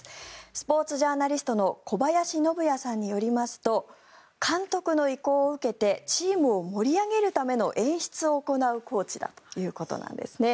スポーツジャーナリストの小林信也さんによりますと監督の意向を受けてチームを盛り上げるための演出を行うコーチだということです。